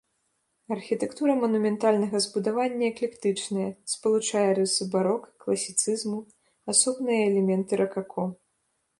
Архітэктура манументальнага збудавання эклектычная, спалучае рысы барока, класіцызму, асобныя элементы ракако.